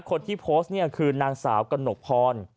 คนที่โพสต์เนี่ยคือนางสาวกระหนกพร